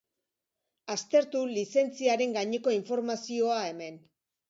Aztertu lizentziaren gaineko informazioa hemen.